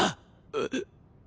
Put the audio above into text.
えっ。